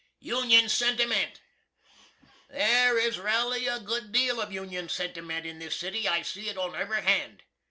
UNION SENTIMENT. There is raly a great deal of Union sentiment in this city. I see it on ev'ry hand.